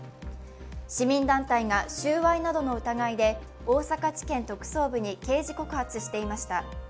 市民団体収賄などの疑いで大阪地検特捜部に刑事告発していました。